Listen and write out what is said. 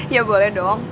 ya boleh dong